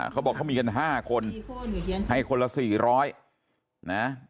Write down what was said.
เขาบอกเขามีกัน๕คนให้คนละ๔๐๐นะ